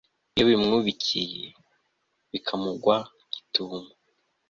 iyo bimwubikiye bikamugwa gitumo